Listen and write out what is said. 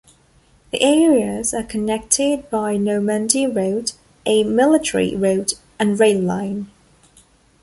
The areas are connected by Normandy Road, a military road and rail line.